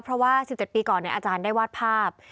เพราะว่า๑๗ปีก่อนอาจารย์ได้วาดภาพ